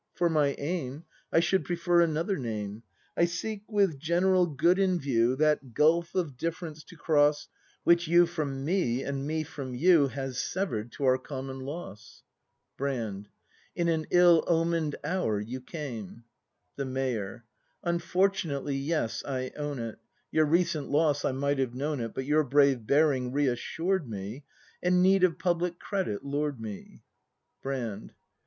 For my aim I should prefer another name: I seek, with general good in view. 176 BRAND [act iv That gulf of difference to cross Which you from me and me from you Has sever'd, to our common loss. Brand. In an ill omen'd hour you came The Mayor. Unfortunately yes, I own it : Your recent loss, — I might have known it. But your brave bearing re assured me, And need of public credit lured me. Brand.